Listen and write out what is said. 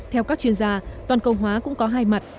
theo các chuyên gia toàn cầu hóa cũng có hai mặt